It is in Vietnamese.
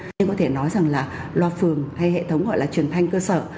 nhưng có thể nói rằng là loa phường hay hệ thống gọi là truyền thanh cơ sở